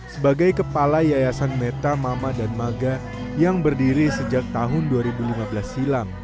sebagai kepala yayasan meta mama dan maga yang berdiri sejak tahun dua ribu lima belas silam